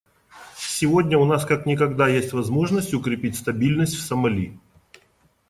Сегодня у нас как никогда есть возможность укрепить стабильность в Сомали.